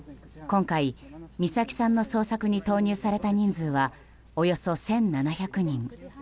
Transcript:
今回、美咲さんの捜索に投入された人数はおよそ１７００人。